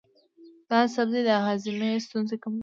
دا سبزی د هاضمې ستونزې کموي.